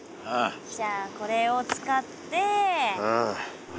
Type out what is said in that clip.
じゃあこれを使って。